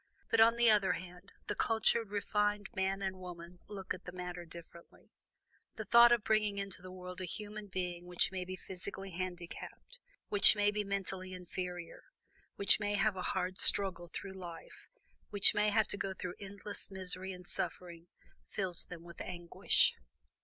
But, on the other hand, the cultured, refined man and woman look at the matter differently. The thought of bringing into the world a human being which may be physically handicapped, which may be mentally inferior, which may have a hard struggle through life, which may have to go through endless misery and suffering, fills them with anguish.